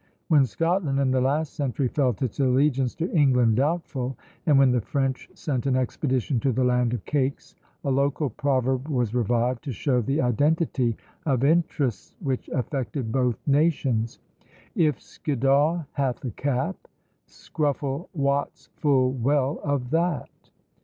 When Scotland, in the last century, felt its allegiance to England doubtful, and when the French sent an expedition to the Land of Cakes, a local proverb was revived, to show the identity of interests which affected both nations: If Skiddaw hath a cap, Scruffel wots full well of that.